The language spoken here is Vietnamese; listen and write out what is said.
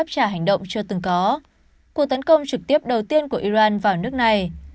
cả hành động chưa từng có của tấn công trực tiếp đầu tiên của iran vào nước này